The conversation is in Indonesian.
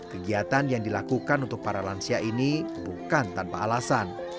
kegiatan yang dilakukan untuk para lansia ini bukan tanpa alasan